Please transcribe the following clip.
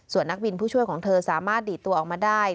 ส่วนนักบินผู้ช่วยของเธอสามารถดีดตัวออกมาได้